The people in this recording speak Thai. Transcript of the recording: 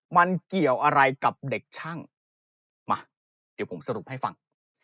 มันเกี่ยวอะไรกับเด็กช่างมาเดี๋ยวผมสรุปให้ฟัง